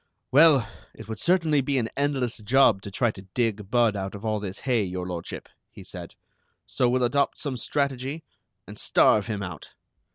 "Well, it would certainly be an endless job to try to dig Budd out of all this hay, Your Lordship," he said, "so we'll adopt some strategy, and starve him out.